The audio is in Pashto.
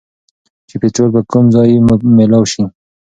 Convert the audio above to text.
چې پيټرول به کوم ځايې مېلاؤ شي